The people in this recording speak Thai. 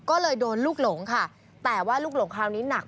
ก็เลยโดนลูกหลงค่ะแต่ว่าลูกหลงคราวนี้หนัก